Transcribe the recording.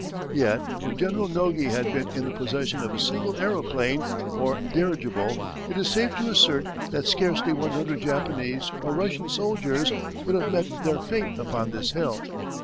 Yet if General Nogi had been in the possession of a single aeroplane or dirigible it is safe to assert that scarcely one hundred Japanese or Russian soldiers would have met their fate upon this hill.